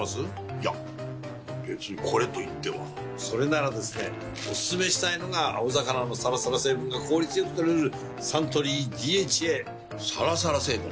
いや別にこれといってはそれならですねおすすめしたいのが青魚のサラサラ成分が効率良く摂れるサントリー「ＤＨＡ」サラサラ成分？